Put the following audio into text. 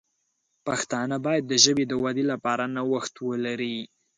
پښتانه باید د ژبې د ودې لپاره نوښت ولري.